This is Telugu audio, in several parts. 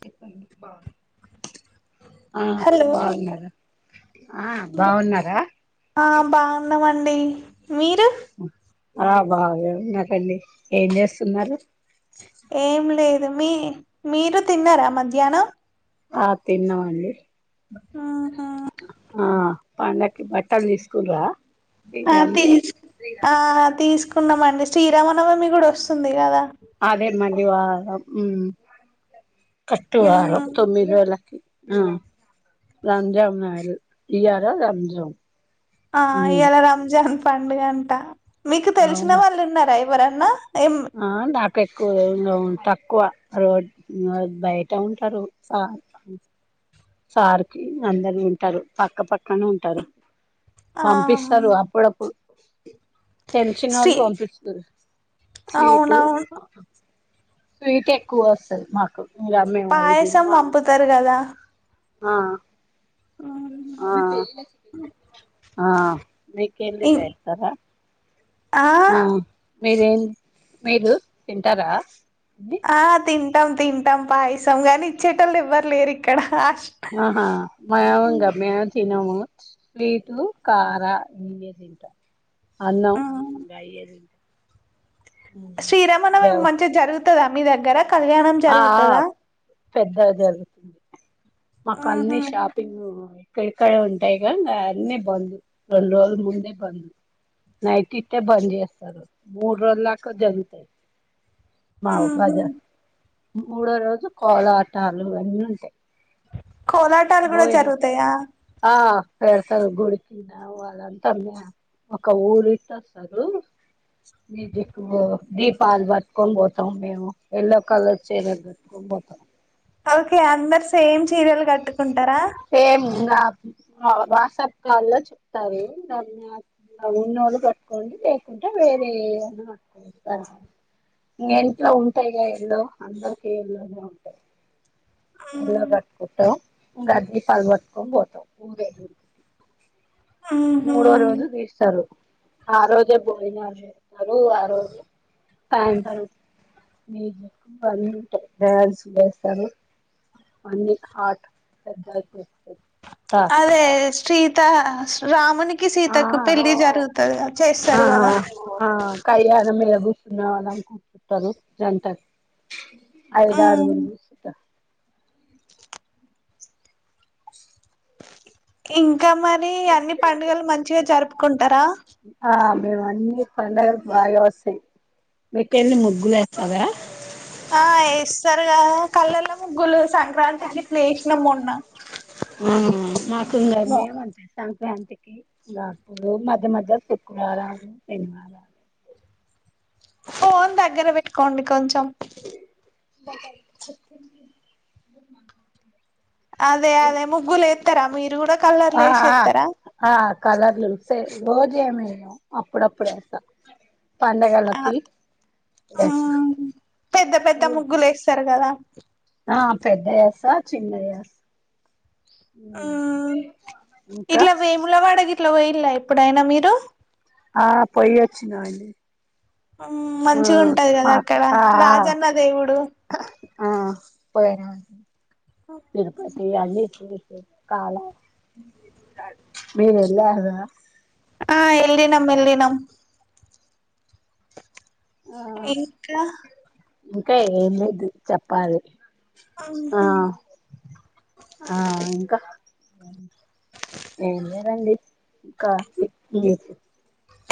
టిఫిన్ బాగుంది. ఆ హలో బాగున్నారా ఆ బాగున్నారా. ఆ బాగున్నామండి మీరు ఆ బానేవున్న తల్లి. ఏం చేస్తున్నారు. ఏం లేదు. మీ మీరు తిన్నారా మధ్యానం ఆ తిన్నామండి. ఆహా ఆ పండక్ కి బట్టలు తీసుకున్రా. ఆ తీస్ ఆ తీస్కు. కున్నామండి. శ్రీరామనవమి గుడొస్తుంది గదా. అదే మళ్ళి వారం మ్ కర్ట్ ఉహు వారం తొమ్మిది రోజ్లకి. ఆ రంజాం నాడు ఈయార రంజాం. ఆ ఇయల రంజాన్. పండుగంట. మీకు తెలిసిన అవునా వాళ్ళు ఉన్నారా ఎవ్. వోరన్నా. ఆ డాక్. కెక్కువ రూమ్ లో ఉంట. తక్కువ రోడ్ బయట ఉంటారు. సాలా మం. సార్కి అందరు ఉంటారు. పక్క పక్కనే ఉంటరు. ఆ పంపిస్తారు అప్పుడప్పుడు. [unintelligible] తెలిసిన వాళ్ శ్రీ పంపిస్తరు స్వీటు, అవునవును స్వీట్ ఎక్కువొస్తది మాకు. ఇంగ మేము అయి పాయసం తినమా పంపుతరు గదా. ఆ ఆ ఆ మీకెల్లి ఇం పెడతారా. ఆ మీరేం మీరు తింటారా అండి ఆ తిన్ టం తింటాం పాయసం గాని ఇచ్చేటోల్లు ఎవ్వరు లేరు ఇక్కడ ఆహా మాయోమొంగ మేం తినము స్వీటు, కార ఇవె తింటం. అన్నం గయ్యె దిన్టం శ్రీరమనవమి మంచిగా జరు తదా మీ దగ్గర కళ్యాణం ఆ ఆ జరుగుతదా పెద్దగా జరుగుతున్ మాక్ అన్ని మ్మ్ షాపింగు ఇక్కడికడే ఉంటాయ్గా అన్ని బంధు. రెండు రోజుల ముందే బంద్ నైట్ ఇట్టే బంద్ జేస్తారు. మూడ్రోజులు దాకా జరుగుతాది మావు మ్మ్ బజా మూడో రోజు కోలాటాలు అన్నీ ఉంటాయి కోలాటాలు కూడా బోయిన జరుగుతాయా ఆ పెడతారు గుడికిింద వాళ్ళంతా మ్యా ఒక ఊలీటోస్సరూ మ్యూజిక్ బో దీపాల్ పట్కోన్ పోతాం మేము ఎల్లో కలర్ చీర కట్టుకొని పోతాం ఓకే అందరు సెయిమ్ చీరలు కట్ ఏం ఇంగ వా వా వాట్సప్ కాల్ లో చెప్తారు. దాన్ని ఉన్నోళ్లు కట్టుకోండి లేకుంటే వేరే ఏదైనా [inaudible] ఆ ఇంగ ఇంట్లో ఉంటాయిగా ఎల్లో అందరికి ఎల్లోనే ఉంటాయి. ఎల్లో మ్మ్ కట్టుకుంటాం గది పల్ పట్టుకోన్ పోతాం ఊరేగి మూడోవ హ్మ్ రోజు దీస్తారు ఆ రోజే భోజనాలు జేస్తారు. ఆ రోజే [unintelligible] మూజిక్ అన్నీ ఉంటాయ్. డ్యాన్సులేస్తారు. అన్ని హట్ పెద్ద [inaudible] అదేస్ శీత స్ రామునిక్ కి సీతకు ఆ పెళ్లి జరుగుతది గా ఆ చేస్తారు గదా ఆ కయ్యాల [unintelligible] జంట మ్మ్ ఐదుగుఆరుగురు కుసుంట ఇంగ్ గా మరి అన్ని పండుగలు మంచిగా జరుప్ కుంటార ఆ మేము అన్నీ పండగలు బా జెస్సాయ్. మీకేన్ని ముగ్గులేస్తదా ఆ ఎస్తరు కదా కలర్ల ముగ్గులు సంక్రాంతికి విశ్లేషణం మొన్న [inaudible] నా ఆ మాకుంద ఏమన్న సంక్రాంతి కి రాపు మధ్య మధ్య శుక్రవారం శనివారం అ ఫోన్ దగ్గర పెట్టుకోండి కొంచెం బ అదే అదే ముగ్గులు ఎత్తర మీరు కూడా కలర్లు ఆ ఆ వసిస్తారా ఆ కలర్లు సే రోజు ఏమీ వెయ్యం అప్పుడప్పుడు వేస్తా ఆ ఎస్ పెద్ద పెద్ద పూలు ముగ్గులు వేస్తారు కదా ఆ పెద్దవేస్తా చిన్నది వేస్తా ఆ ఇట్ల ఇంకా వేముల బడేది ఇట్ల వేయాలా ఎప్పుడైనా మీరు ఆ పోయివచ్చి నాలి మంచిగా ఉంటది కదా మాకు అక్కడ ఆ రాజన్న దేవుడు ఆ పోరా మీరు పతే అని కాల మీ ఎళ్వారా ఆ ఎల్ల నం ఎల్లి నం ఆ ఇంకా ఇంకా ఏం లేదు చెప్పాలి ఆ ఉహు ఆ ఇంకా అ ఎందిదండి క కి కీ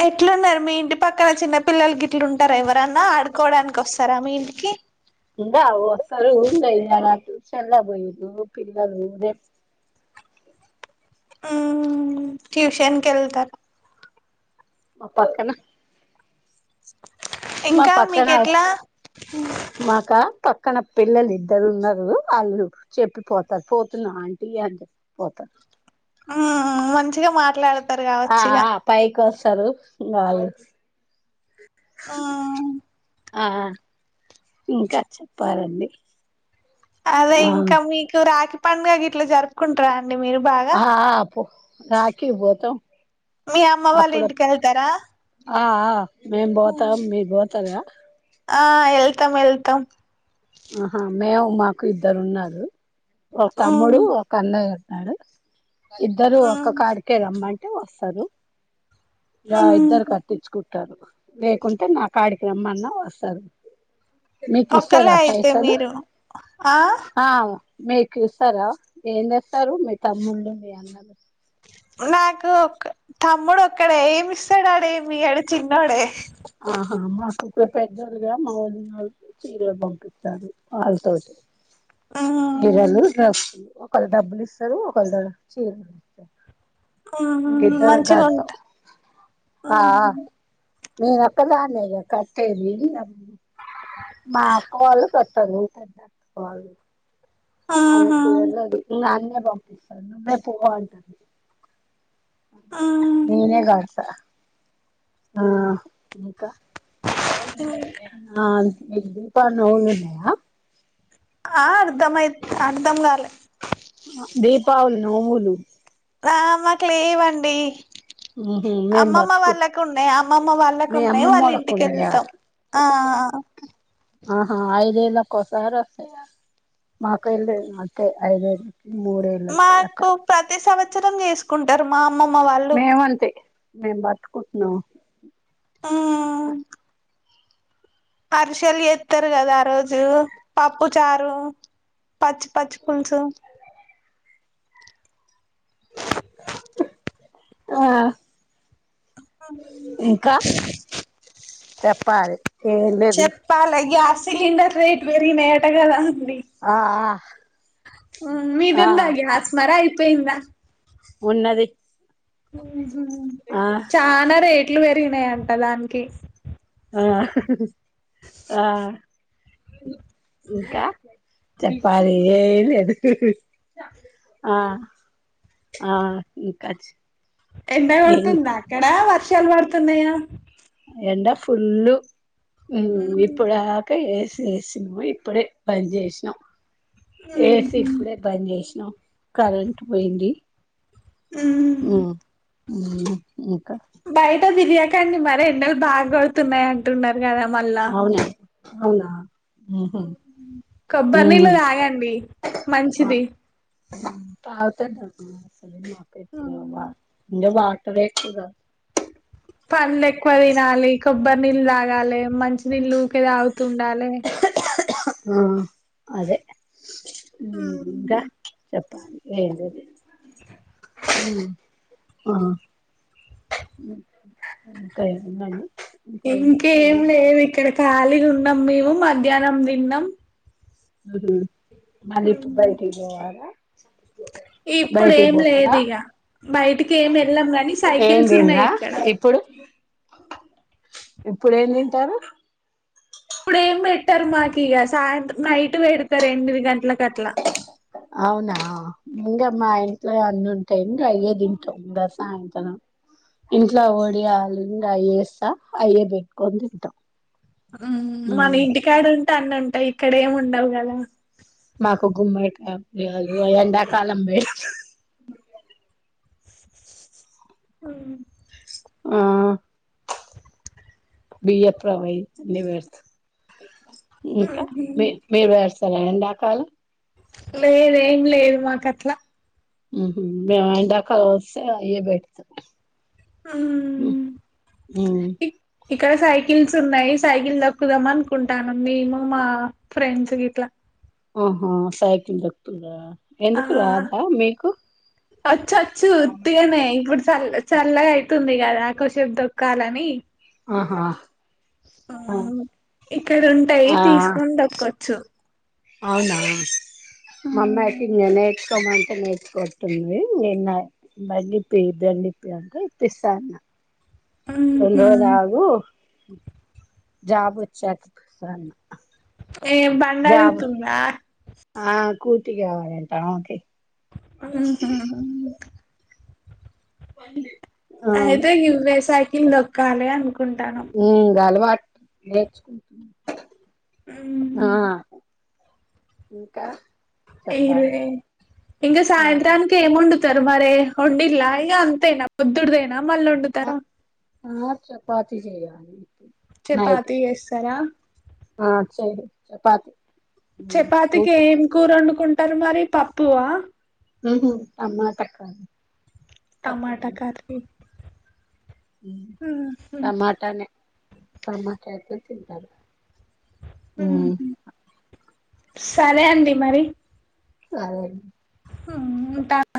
ఎట్ల ఉన్నారు మేమ్ ఇంటి పక్కన చిన్న పిల్లలకి ఇట్లుంటారా ఎవరన్నా ఆడుకోవడానికి వస్తారా మీ ఇంటికి ఉందా సర ట్యూషన్లా పోయి పిల్లలు ఊరే హ ట్యూషన్ కెళ్తార్ మాప్పక్కనా మా ఇంకా మీకు పక్కనా ఎట్లా మాకా పక్క కాన పిల్లలు ఇద్దరు ఉన్నారు వాళ్ళు చెప్పిపోతారు పోతున్నారు ఆంటీ అని చెప్పి పోతారు అ మంచిగా మాట్లాడుత ఆహ్ పై కోస్తా. సారు వాళ్లు ఆహ్ ఆహ్ ఇంకా చెప్పాలండి. అదే ఆ ఇంకా మీకు రాఖీ. పండుగ ఇట్లా జరుపుకుంటార. ఆహ్ ఆహ్ పో. రాఖీ పోతాం. మీ అమ్మ వాళ్ళ ఇంటికెళ్తారా. ఆహ్. మేం పోతాం మీరు పోతార. ఆహ్ వెళ్తాం వెళ్తాం. ఆహా మేము మాకు ఇద్దరు ఉన్నారు. ఒక తమ్ముడు, మ్మ్ ఒక అన్నయ్య. ఆహ్ ఇద్దరు ఒక్క మ్మ్ కాడికె రమ్మాని. వస్తది. ఇలా ఇద్దరు మ్మ్ కట్టించుకుం. వస్తారు లేకుంటే మా కాడికిరమ్మన్నా వస్తారు. మీకు ఇస్తారా. అంతే పైసలు మీరు. ఆ మీకు ఇస్తారా ఏం దేస్తారు. మీ తమ్ముళ్ళు మీ అన్నలు. నాకు ఒక తమ్ముడు ఒక్కడే ఏమిస్తాడు. ఆడు ఏమి ఇయ్యడు. ఆడు చిన్నోడే. ఆహా మాకు ఒక. పెద్దలుగా మా వదినలు చీరలు పంపిస్తారు. వాళ్ళతోటి చీరలు, మ్మ్ డ్రెస్సులు. ఒకలు డబ్బులు ఇస్తారు. ఒకలు చీరలు ఇస్తారు. ఉమ్ ఇంకిద్దరం మంచిగా కడతాం ఉంటా ఆ ఉమ్. నేను ఒక్కదాన్నేగా కట్టేది. మా కోడలు పెట్. సౌండ్ తంత కోడలు. ఆమె ఎక్కువ తిన్నది నన్ను. పంపిస్తాను. నన్నే పో అంటది. మ్మ్ నెనే కడతా. ఆ ఇంకా దీపావళి ఆ మీకు దీపావళి నోములు ఉన్నాయా ఆ అర్ధమయి అర్ధం కాలే ఆ దీపావళి నోములు ఆ మాకు లేవండి ఉహు మేం అమ్మమ్మ పట్టుకు వాళ్ళకు ఉన్నాయి అమ్మమ్మ వాళ్ళకు మీ ఉన్నాయి వాళ్ళ అమ్మమ్మోళ్ళకు ఇంటికి ఉన్నాయా వెళతాం ఆ ఆహా ఐదేల ఒక్కసారి హస్తయా ఆహా మాక్క ఇల్ అత్తే ఐదేల మాకు ప్రతి సంవత్సరం చేసుకుంటారు మా అమ్మమ్మ వాళ్ళు మేమంతే మేము బతుకుంటున్నాం ఉమ్ అరిసెల్లు ఎస్తారు కదా ఆ రోజు పప్పు చారు పచ్చి పచ్చి పులుసు ఆ ఇంకా చెప్పాలి ఏం లేదు చెప్పాలి గ్యాస్ సిలిండర్ రేటు పెరిగిన ఆట కదా డి ఆ ఆ ఆ మీదెందగ ఆస్ మర యి పయింద ఉన్నది ఆ చానా రే ఎట్లు పెరిగినాయంట దానికి ఆ ఆ ఇంకా చప్పాల ఏ లేదు ఆ ఆ ఇకాచ్చ ఎంత పడుతుంద అక్కడ వర్షాలు పడుతున్నాయా ఎండ ఫుల్ు ఇప్పుడుక చేేస ను ఇప్పుడే పని చేేసిన ఏస ఇప్పుడే బంద్ చేసినాం కరెంట్ పోయింది ఆ ఉ బయిట జది ండి మరి ఎన్నలు బాగా పడుతున్నాయి అంటున్నారు గ మల్ల అవునా అవునా ఉహు కొబ్బరినీళ ఉమ్ తాగండి మంచిది తాగుతావా తాగవా అ మా ఇ వా [unintelligible] క్రియేటివ్‌గా పండులు ఎక్కువ తినాలి కొ కొబ్బరి నీళ్ళు తాగాలి మంచి నీళ్ళుఊకే తాగుతుండాలి ఉ అదే ఉ ఇంకా చెప్ప ఏడి ఉ అ ఇంకా ఏముంది అండి ఇంకేం లేదు ఇక్కడ ఖాళీగా ఉం న్నాం మేము మధ్యాహ్నం తిన్నాం ఆహ మరి ఇప్పుడు బయటకి పోవాలా ఇప్పుడు బయటికి ఏం లేదు పోతారా ఇక బయటికి ఏం వెళ్ళాం కాని ఏం సైకిల్స్ ఉన్నాయి తినరా ఇక్కడ ఇప్పుడు ఇప్పుడు ఏ తింటారు పెారు మాకు ఇక సాయంతం నైట్ పెడతారు ఎనిమిది గంటలకు అట్లా అవునా ఇంకా మా ఇంట్లో అన్నంటాయి ఇంకా అయే తింటాం దస ఇట్లో ఇంట్లో వఓడియళ ఇంకా అయేస్తా అయే పెట్టుకొని తింటాం ఉమ్ మన ఉమ్ ఇంటికాడ ఉంటే అన్నం అ ఇక్కడ ఏం ఉండాలి కదా మాకు గుమ్మడికాయ ఎండాకాలం వేరు అ ఆ బిఎ ప్ర వై అ వేర్ ఇకా మీ మీే సర ఎండాకాలం లేదు ఏం లేదు మాక అట్లా మము ఎండాకాలం వస్తే అయ్యే పెడతాం ఉ, ఉమ్ ఉమ్ ఇ ఇక్కడ సైకిల్స్ ఉన్నాయి సైకిల్ దక్కుదాం అనుకుంటాను మేము మా ఫ్రెండ్స్ ఇట్లా ఆహా సాయకిందక్తుద ఆ వచ్చొచ్చు ఉత్తిగానే ఇప్పుడు చల్ చల్లగా వస్తుంది కదా కొషపు తొక్కాలని ఆహా ఆ ఇక్కడ ఉంటాయి ఆ, తీసుకొని తక్కవచ్చు అవునా మమ్మాకి ఎనే అంటే నేర్చు కొట్ంది నిన్న బంప్ప బండిప్ప అంటా ఇప్పిస్తాన్న న్ని ఉహు రోజులాగు జాబ్ వచ్చాక ఏ జాబ్ బండారితుందా ఆ కూటిి గావాలంటా ఓకే ఊహు వన్ది అయితే గివేసాయి తింద కాాల అ ఉ గాల మాట్ నేర్చుకు ఉ ఇంకా ఇ చెప్పాలి ఇంకా ఆ సాయంత్రానికి ఏమొండు తర్ మరే వొండిల్ల ఇగ అంతేనా పొదుడ్దే నా మళ్ళ వొండుతర ఆ చపాతి జెయ్యాలి. చపాతీ జేస్సారా ఆ చెయరు చపాతి చపాతికి ఊట ఏం కూర వండుకుంట రు మరి పప్పు ఆ ఉహూ టమాట కర్రీ టమాటా కర్రీ మ్ టమాటానే టమాటా అయితే తింటరు. ఉహు సరే అండి మరి సరే ఉంటన